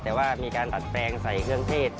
แต่ว่ามีการดัดแปลงใส่เครื่องเทศ